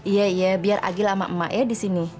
iya iya biar agil sama emak ya di sini